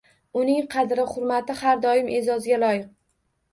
Uning qadri, hurmati har doim e'zozga loyiq